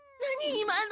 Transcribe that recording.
今の。